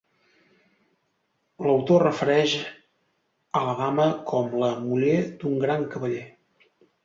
L’autor es refereix a la dama com la muller d’un gran cavaller.